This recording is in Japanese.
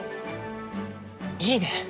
いいね。